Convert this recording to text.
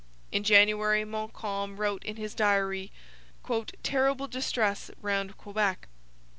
In January Montcalm wrote in his diary: 'terrible distress round Quebec.'